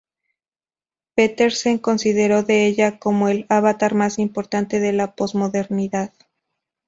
Petersen consideró de ella como el "avatar" más importante de la posmodernidad.